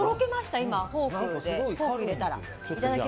今フォークでフォーク入れたら。